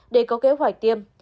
để có kế hoạch tiêm